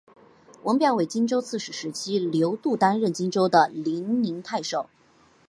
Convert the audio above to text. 刘表为荆州刺史时刘度担任荆州的零陵太守。